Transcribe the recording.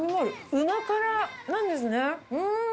うま辛なんですね。